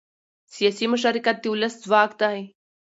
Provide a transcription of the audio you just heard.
سیاسي مشارکت د ولس ځواک دی